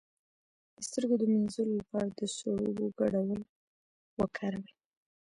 د سترګو د مینځلو لپاره د سړو اوبو ګډول وکاروئ